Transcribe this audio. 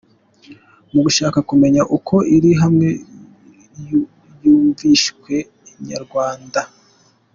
Mu gushaka kumenya uko iri hame ryumviswe, Inyarwanda.